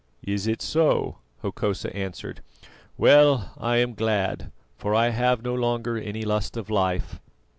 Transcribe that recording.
"Is it so?" Hokosa answered. "Well, I am glad, for I have no longer any lust of life."